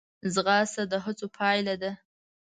ځغاسته د هڅو پایله ده